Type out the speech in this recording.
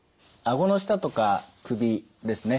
顎の下とか首ですね